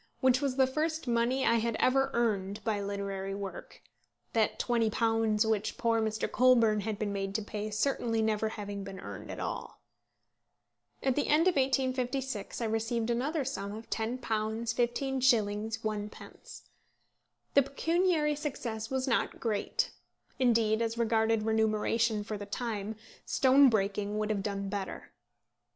which was the first money I had ever earned by literary work; that £20 which poor Mr. Colburn had been made to pay certainly never having been earned at all. At the end of 1856 I received another sum of £10, 15s. 1d. The pecuniary success was not great. Indeed, as regarded remuneration for the time, stone breaking would have done better.